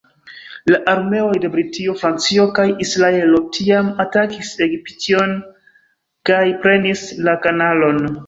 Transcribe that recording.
La armeoj de Britio, Francio kaj Israelo tiam atakis Egiption kaj prenis la kanalon.